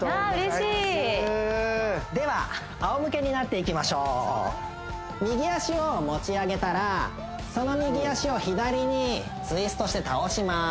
嬉しいではあおむけになっていきましょう右足を持ち上げたらその右足を左にツイストして倒します